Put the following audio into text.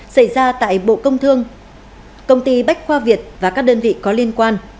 xảy ra tại bộ công thương công ty bách khoa việt và các đơn vị có liên quan